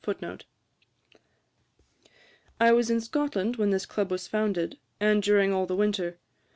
I was in Scotland when this Club was founded, and during all the winter.